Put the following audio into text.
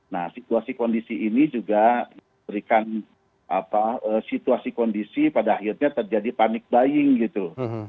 nah situasi kondisi ini juga memberikan situasi kondisi pada akhirnya terjadi panik buying gitu